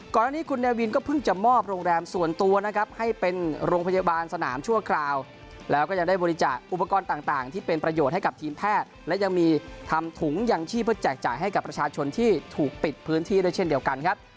ก่อนหน้านี้คุณเนวินก็เพิ่งจะมอบโรงแรมส่วนตัวนะครับให้เป็นโรงพยาบาลสนามชั่วคราวแล้วก็ยังได้บริจาคอุปกรณ์ต่างที่เป็นประโยชน์ให้กับทีมแพทย์และยังมีทำถุงยังชีพเพื่อแจกจ่ายให้กับประชาชนที่ถูกปิดพื้นที่ด้วยเช่นเดียวกันครับ